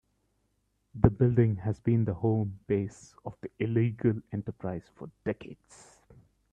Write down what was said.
The building has been the home base of the illegal enterprise for decades.